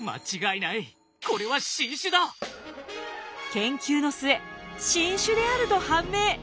研究の末新種であると判明。